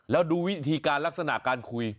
แล้วดูวิธีการลักษณะการคุย